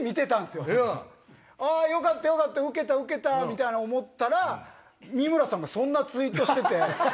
「あぁよかったよかったウケたウケた」みたいな思ったら三村さんがそんなツイートしてて。